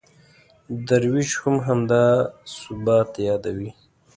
درویش هم همدا ثبات یادوي.